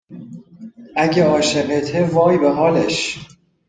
اگه عاشقته وای به حالش